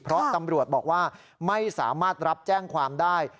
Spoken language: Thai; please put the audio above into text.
เพราะตำรวจบอกว่าไม่สามารถรับแจ้งความได้